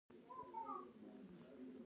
طرح ورکړه.